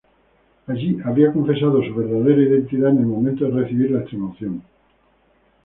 Allí habría confesado su verdadera identidad en el momento de recibir la extremaunción.